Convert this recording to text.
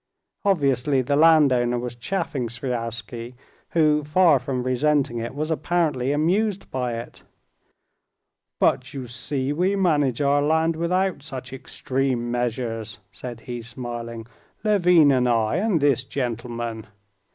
Obviously the landowner was chaffing Sviazhsky, who, far from resenting it, was apparently amused by it. "But you see we manage our land without such extreme measures," said he, smiling: "Levin and I and this gentleman."